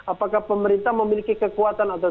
apakah pemerintah memiliki kekuatan atau